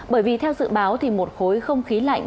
bởi vì theo dự báo thì một khối không khí lạnh